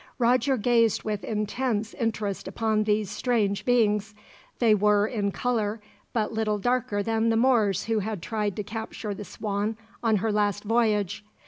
Roger gazed with intense interest upon these strange beings. They were, in color, but little darker than the Moors who had tried to capture the Swan, on her last voyage.